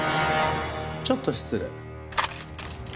ちょっと失礼。